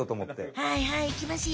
はいはいいきますよ。